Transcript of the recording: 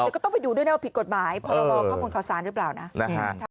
ก็ต้องไปด้วยน่ะว่าผิดกฎหมายพระบาลว่าเขามงขาสานรึเปล่านะ